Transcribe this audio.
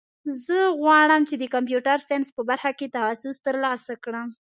زه غواړم چې د کمپیوټر ساینس په برخه کې تخصص ترلاسه کړم